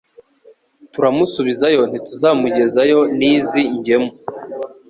Turamusubizayo ntituzamugezayo n'izi ngemu